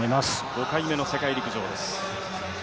５回目の世界陸上です。